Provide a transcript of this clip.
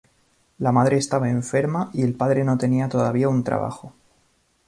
La madre estaba enferma y el padre no tenía todavía un trabajo.